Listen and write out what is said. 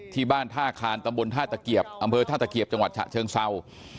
ที่บ้านท้าคารอำเภอธ้าตะเกียบจังหวัดชะเชิงเซา